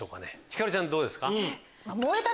ひかるちゃんどうですか？